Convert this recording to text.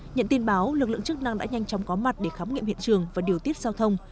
nhận tin báo lực lượng chức năng đã nhanh chóng có mặt để khám nghiệm hiện trường và điều tiết giao thông